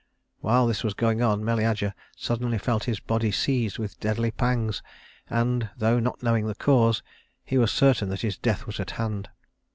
While this was going on, Meleager suddenly felt his body seized with deadly pangs; and, though not knowing the cause, he was certain that his death was at hand.